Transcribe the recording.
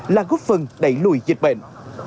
là góp phần đẩy lùi dịch bệnh